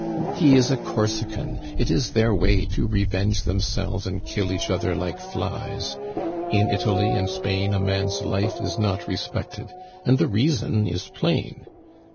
He is a Corsican; it is their way to revenge themselves and kill each other like flies. In Italy and Spain a man's life is not respected, and the reason is plain.